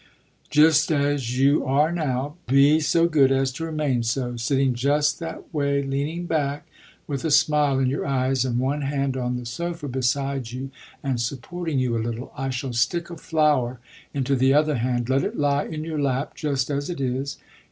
"Just as you are now be so good as to remain so; sitting just that way leaning back with a smile in your eyes and one hand on the sofa beside you and supporting you a little. I shall stick a flower into the other hand let it lie in your lap just as it is.